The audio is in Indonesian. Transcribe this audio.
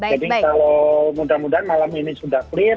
jadi kalau mudah mudahan malam ini sudah clear